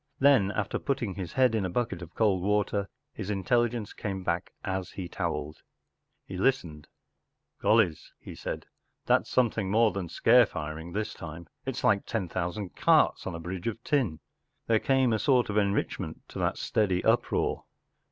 Then, after putting his head in a bucket of cold water, his intelligence came back as he towelled. He listened. “ Gollys ! ” he said ; “ that’s something more than scare firing this time. It’s like ten thousand carts on a bridge of tin.” There came a sort of enrichment to that steady uproar.